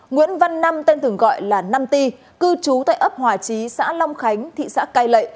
nguyễn văn năm tên thường gọi là năm ti cư trú tại ấp hòa chí xã long khánh thị xã cai lệ